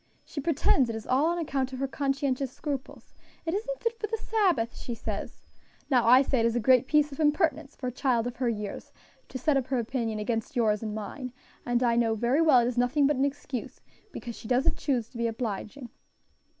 "She pretends it is all on account of conscientious scruples. 'It isn't fit for the Sabbath,' she says. Now I say it is a great piece of impertinence for a child of her years to set up her opinion against yours and mine; and I know very well it is nothing but an excuse, because she doesn't choose to be obliging."